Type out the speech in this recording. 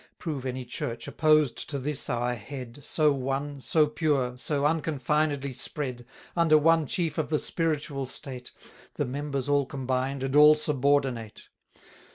Prove any Church, opposed to this our head, So one, so pure, so unconfinedly spread, Under one chief of the spiritual state, The members all combined, and all subordinate.